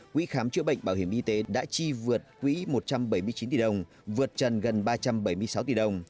quỹ khám chữa bệnh bảo hiểm y tế đã chi vượt quỹ một trăm bảy mươi chín tỷ đồng vượt trần gần ba trăm bảy mươi sáu tỷ đồng